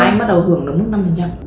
hai anh bắt đầu hưởng đến mức năm